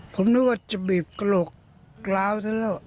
ผมนึกว่าจะบีบกระโหลกร้าวซะแล้ว